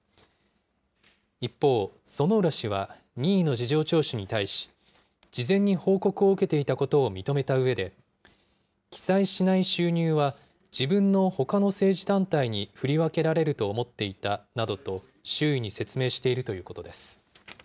一方、薗浦氏は任意の事情聴取に対し、事前に報告を受けていたことを認めたうえで、記載しない収入は、自分のほかの政治団体に振り分けられると思っていたなどと、周囲に説明しているということです。